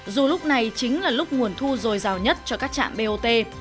dù lúc này chính là lúc nguồn thu dồi dào nhất cho các trạm bot